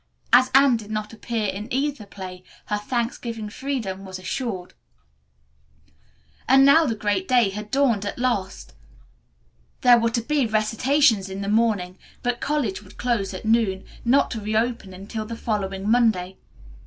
As Anne did not appear in either play, her Thanksgiving freedom was assured. And now the great day had dawned at last! There were to be recitations in the morning, but college would close at noon, not to reopen until the following Monday.